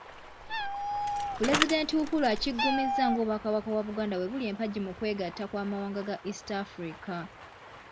Pulezidenti Uhuru akiggumizza ng'Obwakabaka bwa Buganda bwe buli empagi mu kwegatta kw’amawanga ga East Africa.